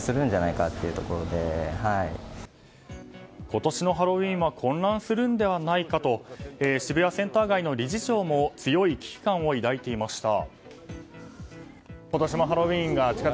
今年のハロウィーンは混乱するのではないかと渋谷センター街の理事長も強い危機感を抱いていました。